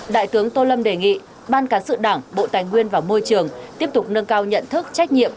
đại tướng tô lâm đề nghị ban cán sự đảng bộ tài nguyên và môi trường tiếp tục nâng cao nhận thức trách nhiệm